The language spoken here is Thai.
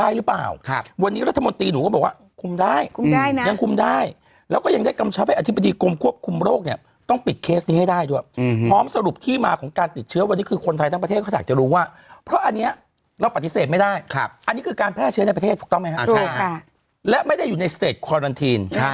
หรือเปล่าครับวันนี้รัฐมนตรีหนูก็บอกว่าคุมได้คุมได้นะยังคุมได้แล้วก็ยังได้กำชับให้อธิบดีกรมควบคุมโรคเนี่ยต้องปิดเคสนี้ให้ได้ด้วยอืมพร้อมสรุปที่มาของการติดเชื้อวันนี้คือคนไทยทั้งประเทศเขาอยากจะรู้ว่าเพราะอันนี้เราปฏิเสธไม่ได้ครับอันนี้คือการแพร่เชื้อใน